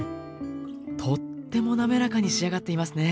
とってもなめらかに仕上がっていますね。